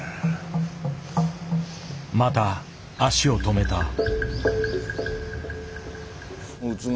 また足を止めた。